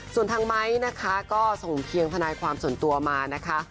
ส่วนทางไม้นะคะก็ส่งเพียงทนายความส่วนตัวมานะคะ